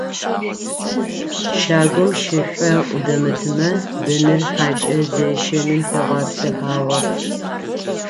Щагум шышӏоӏу дэмытмэ, быныр хьакӏэ зещэным тегъэпсыхьагъэп.